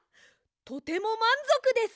とてもまんぞくです！